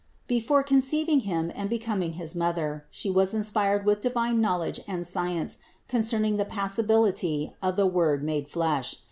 Before conceiving Him and becoming his Mother, She was inspired with divine knowledge and science concerning the passibility of the Word made flesh.